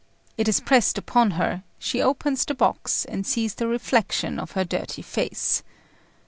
It is pressed upon her; she opens the box and sees the reflection of her dirty face.